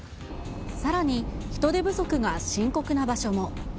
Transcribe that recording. さらに、人手不足が深刻な場所も。